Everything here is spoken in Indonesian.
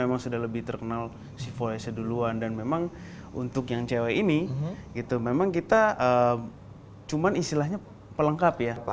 apa sebenarnya trendnyaah kami selalu sleeps ice cream pulang tried tanpa ny anticipation